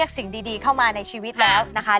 แต่เมื่อมันเหี่ยวมันเน่ามันเฉามันเกลียด